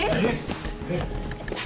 えっ